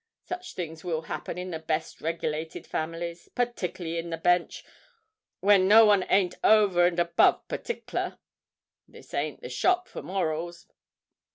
Such things will happen in the best regilated families—particklerly in the Bench, where no one ain't over and above partickler. This isn't the shop for morals.